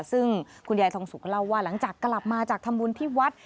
ซึ่งคุณยายทองสุกก็เล่าว่าหลังจากกลับมาจากทำบุญที่วัด